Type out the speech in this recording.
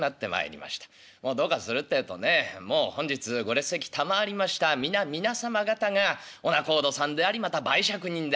どうかするってえとねもう本日ご列席たまわりました皆々様方がお仲人さんでありまた媒酌人であります